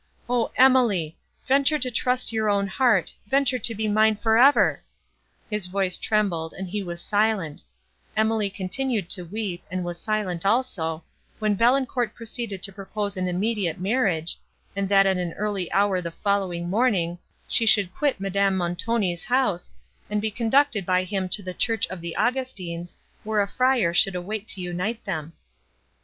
O Emily! venture to trust your own heart, venture to be mine for ever!" His voice trembled, and he was silent; Emily continued to weep, and was silent also, when Valancourt proceeded to propose an immediate marriage, and that at an early hour on the following morning, she should quit Madame Montoni's house, and be conducted by him to the church of the Augustines, where a friar should await to unite them.